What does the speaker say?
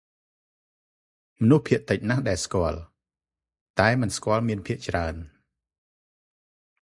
«មនុស្សភាគតិចណាស់ដែលស្គាល់ តែមិនស្គាល់មានភាគច្រើន។